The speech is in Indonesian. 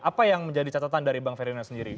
apa yang menjadi catatan dari bang ferdinand sendiri